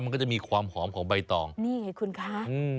มันก็จะมีความหอมของใบตองนี่ไงคุณคะอืม